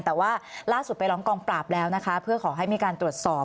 แต่ว่าล่าสุดไปร้องกองปราบแล้วนะคะเพื่อขอให้มีการตรวจสอบ